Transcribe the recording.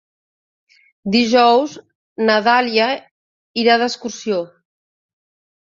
Dijous na Dàlia irà d'excursió.